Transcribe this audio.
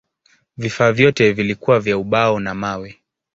Vifaa vyote vilikuwa vya ubao na mawe.